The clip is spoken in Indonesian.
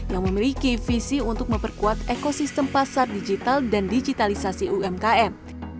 yang memiliki visi untuk memperkuat ekosistem pasar digital dan digitalisasi umkm